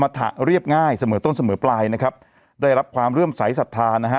ถะเรียบง่ายเสมอต้นเสมอปลายนะครับได้รับความเริ่มใสสัทธานะฮะ